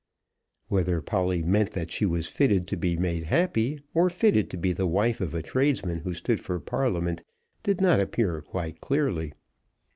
Whether Polly meant that she was fitted to be made happy, or fitted to be the wife of a tradesman who stood for Parliament, did not appear quite clearly.